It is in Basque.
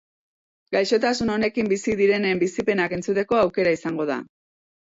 Gaixotasun honekin bizi direnen bizipenak entzuteko aukera izango da.